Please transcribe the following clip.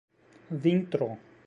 vintro